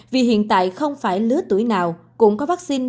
vì hiện tại không phải lứa tuổi nào cũng có vaccine